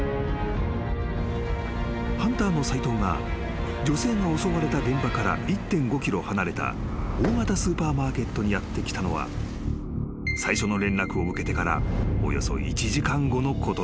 ［ハンターの斎藤が女性が襲われた現場から１．５ｋｍ離れた大型スーパーマーケットにやって来たのは最初の連絡を受けてからおよそ１時間後のことだった］